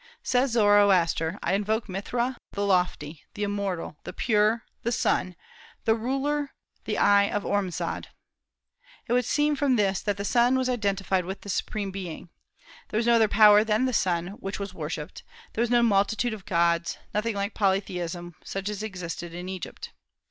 Says Zoroaster: "I invoke Mithra, the lofty, the immortal, the pure, the sun, the ruler, the eye of Ormazd." It would seem from this that the sun was identified with the Supreme Being. There was no other power than the sun which was worshipped. There was no multitude of gods, nothing like polytheism, such as existed in Egypt.